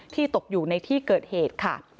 ตกอยู่ในที่เกิดเหตุค่ะ